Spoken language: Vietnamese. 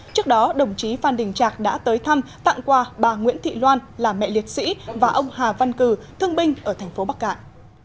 trước đó đồng chí phan đình trạc đã tới thăm tặng quà bà nguyễn thị loan là mẹ liệt sĩ và ông hà văn cử thương binh ở thành phố bắc cạn